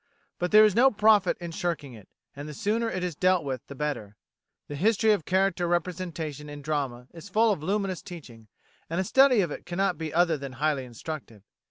But there is no profit in shirking it, and the sooner it is dealt with the better. The history of character representation in drama is full of luminous teaching, and a study of it cannot be other than highly instructive.